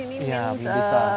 loh semua beli dong pesan